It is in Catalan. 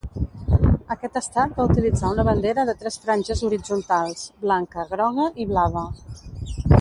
Aquest estat va utilitzar una bandera de tres franges horitzontals: blanca, groga i blava.